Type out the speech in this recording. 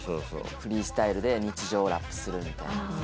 フリースタイルで日常をラップするみたいな。